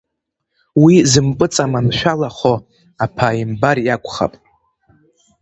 Уи зымпыҵаманшәалахо аԥааимбар иакәхап.